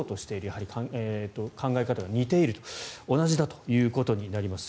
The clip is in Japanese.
やはり考え方が似ていると同じだということになります。